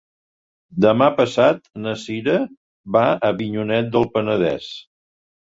Demà passat na Cira va a Avinyonet del Penedès.